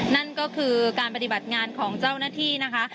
นั่นก็คือการปฏิบัติงานของเจ้าหน้าที่นะคะ